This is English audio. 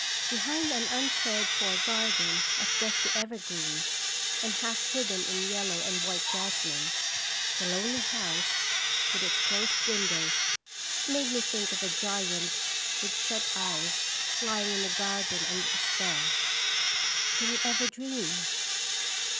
Behind an uncared for garden of dusty ever greens, and half hidden in yellow and white jasmine, the lonely house, with its closed win dows, made me think of a giant with shut eyes lying in a garden under a spell. Did it ever dream?